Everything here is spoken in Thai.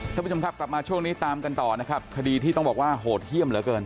ท่านผู้ชมครับกลับมาช่วงนี้ตามกันต่อนะครับคดีที่ต้องบอกว่าโหดเยี่ยมเหลือเกิน